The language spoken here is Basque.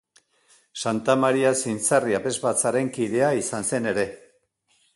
Santa Maria-Zintzarri abesbatzaren kidea izan zen ere.